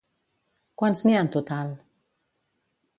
Quants n'hi ha en total?